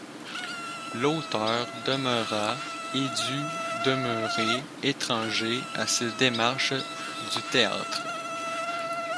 L’auteur demeura et dut demeurer étranger à ces démarches du théâtre.